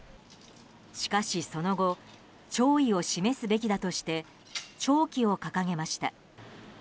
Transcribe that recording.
しかしその後弔意を示すべきだとして弔旗を掲げました。